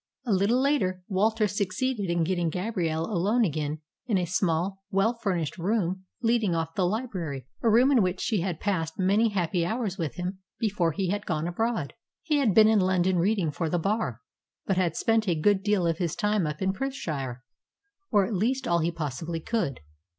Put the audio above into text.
A little later Walter succeeded in getting Gabrielle alone again in a small, well furnished room leading off the library a room in which she had passed many happy hours with him before he had gone abroad. He had been in London reading for the Bar, but had spent a good deal of his time up in Perthshire, or at least all he possibly could.